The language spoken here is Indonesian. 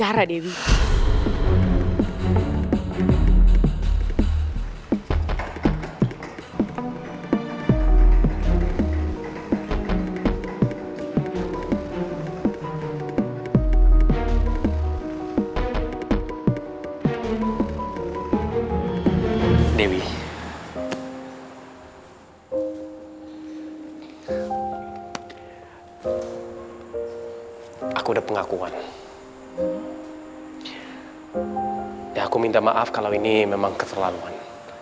aku minta maaf kalau ini memang keterlaluan